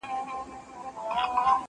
زه اجازه لرم چې کار وکړم؟